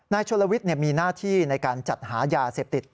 ชลวิทย์มีหน้าที่ในการจัดหายาเสพติด